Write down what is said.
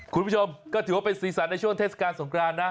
คุณผู้ชมก็ถือว่าเป็นสีสันในช่วงเทศกาลสงครานนะ